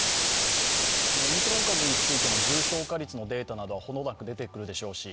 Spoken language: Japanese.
オミクロン株についての重症化率のデータなどはほどなく出てくるでしょうし